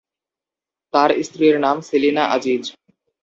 তার স্ত্রীর নাম সেলিনা আজিজ।